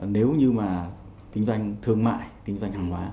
nếu như mà kinh doanh thương mại kinh doanh hàng hóa